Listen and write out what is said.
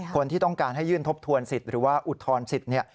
คนที่ต้องการให้ยื่นทบทวนสิทธิ์หรือว่าอุทธรณ์สิทธิ์